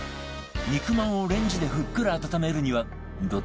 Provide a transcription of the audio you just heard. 肉まんをレンジでふっくら温めるにはどっち？